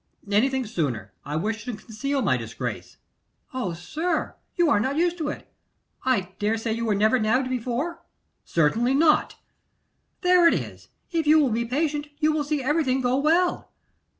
'Anything sooner; I wish to conceal my disgrace.' 'O sir! you are not used to it; I dare say you never were nabbed before?' 'Certainly not.' 'There it is; if you will be patient, you will see everything go well.